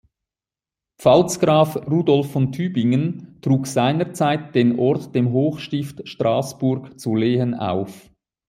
Pfalzgraf Rudolf von Tübingen trug seinerzeit den Ort dem Hochstift Straßburg zu Lehen auf.